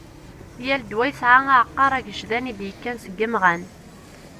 Yal ddwa yesɛa "Aɛeqqar agejdan" id-yekkan seg imɣan.